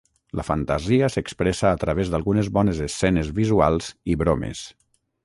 La fantasia s'expressa a través d'algunes bones escenes visuals i bromes.